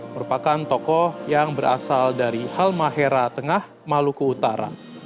merupakan tokoh yang berasal dari halmahera tengah maluku utara